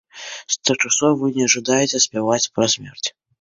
З тых часоў вы не жадаеце спяваць пра смерць.